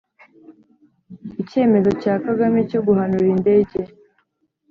icyemezo cya kagame cyo guhanura indege